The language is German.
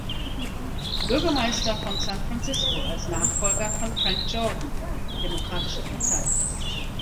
Bürgermeister von San Francisco als Nachfolger von Frank Jordan (Demokratische Partei).